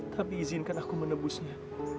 tapi izinkan aku menebusnya